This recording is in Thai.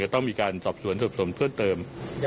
ต้องมีการสอบสวนทุบเติม